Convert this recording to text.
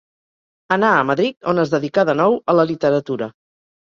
Anà a Madrid, on es dedicà de nou a la literatura.